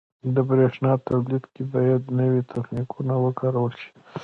• د برېښنا تولید کې باید نوي تخنیکونه وکارول شي.